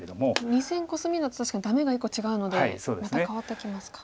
２線コスミだと確かにダメが１個違うのでまた変わってきますか。